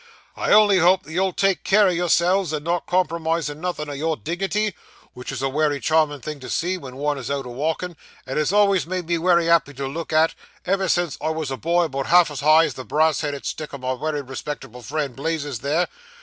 I only hope you'll take care o' yourselves, and not compromise nothin' o' your dignity, which is a wery charmin' thing to see, when one's out a walkin', and has always made me wery happy to look at, ever since I was a boy about half as high as the brass headed stick o' my wery respectable friend, Blazes, there.